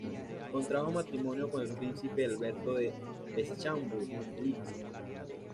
Contrajo matrimonio con el príncipe Alberto de Schaumburg-Lippe.